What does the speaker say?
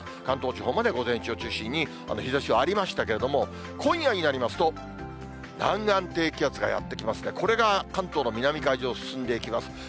関東地方まで午前中を中心に、日ざしはありましたけれども、今夜になりますと、南岸低気圧がやって来ますね。これが関東の南海上を進んでいきます。